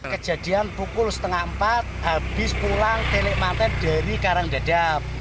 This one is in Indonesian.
kejadian pukul setengah empat habis pulang telematin dari karangdadap